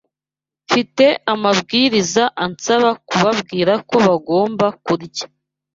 mfite amabwiriza ansaba kubabwira ko bagomba kurya